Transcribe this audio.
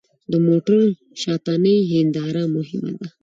د موټر شاتنۍ هېنداره مهمه ده.